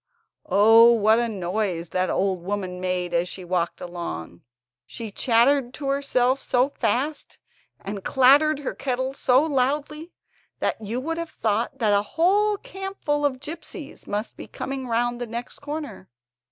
Oh, what a noise that old woman made as she walked along! She chattered to herself so fast and clattered her kettle so loudly that you would have thought that a whole campful of gipsies must be coming round the next corner.